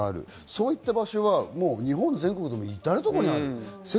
そういう場所は日本全国でもいたるところにあります。